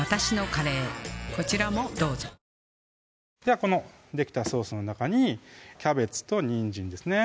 このできたソースの中にキャベツとにんじんですね